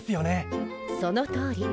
そのとおり。